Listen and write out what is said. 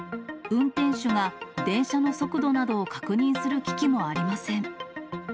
運転士が電車の速度などを確認する機器もありません。